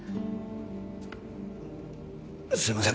すいません